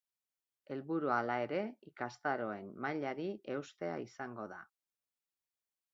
Helburua hala ere, ikastaroen mailari eustea izango da.